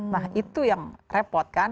nah itu yang repot kan